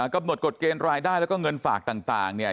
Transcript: กำหนดกฎเกณฑ์รายได้แล้วก็เงินฝากต่างเนี่ย